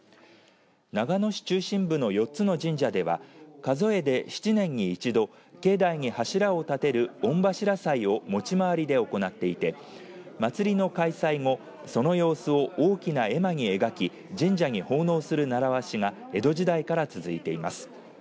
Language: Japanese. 長野市中心部の４つの神社では数えで７年に一度境内に柱を建てる御柱祭を持ち回りで行っていて祭りの開催後、その様子を大きな絵馬に描き神社に奉納する習わしが江戸時代から続いています。